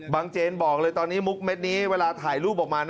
เจนบอกเลยตอนนี้มุกเม็ดนี้เวลาถ่ายรูปออกมา